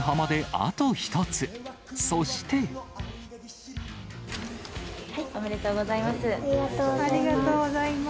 ありがとうございます。